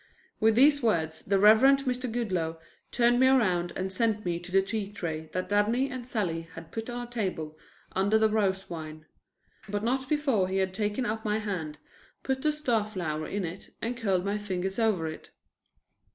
With these words the Reverend Mr. Goodloe turned me around and sent me to the tea tray that Dabney and Sallie had put on a table under the rose vine; but not before he had taken up my hand, put the star flower in it and curled my fingers over it.